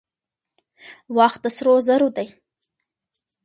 وخت د سرو زرو دی.